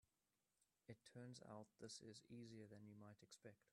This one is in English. It turns out this is easier than you might expect.